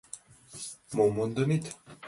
— Мом мондынет?